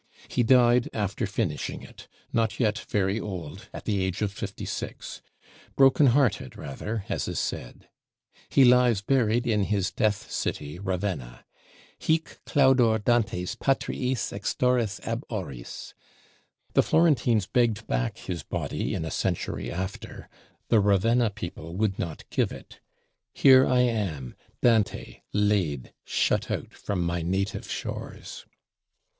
He died after finishing it; not yet very old, at the age of fifty six; broken hearted rather, as is said. He lies buried in his death city Ravenna: Hic claudor Dantes patriis extorris ab oris. The Florentines begged back his body, in a century after; the Ravenna people would not give it. "Here am I, Dante, laid, shut out from my native shores."